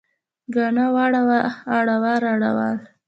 کاڼه واړه اوړه راوړل